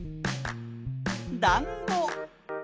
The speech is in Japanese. だんご。